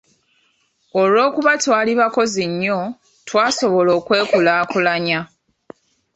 "Olw'okuba twali bakozi nnyo, twasobola okwekulaakulanya."